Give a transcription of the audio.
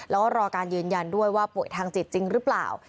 แล้วก็รอการยืนยันด้วยว่าป่วยทางจิตจริงหรือเปล่า